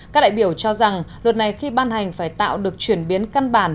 các đại biểu cho rằng luật này khi ban hành phải tạo được chuyển biến căn bản